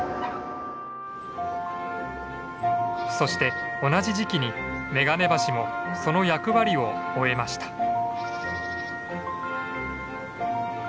そして同じ時期にめがね橋もその役割を終えました。